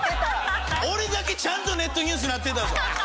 俺だけちゃんとネットニュースになってたぞ！